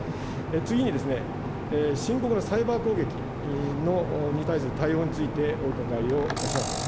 次に、深刻なサイバー攻撃に対する対応についてお伺いをいたします。